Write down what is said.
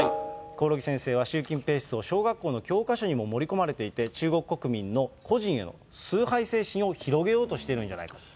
興梠先生は、習近平思想は、小学校の教科書にも盛り込まれていて、中国国民の個人への崇拝精神を広げようとしているんじゃないかと。